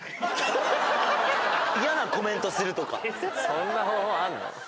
そんな方法あんの？